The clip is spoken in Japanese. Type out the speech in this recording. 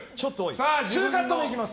２カット目いきます。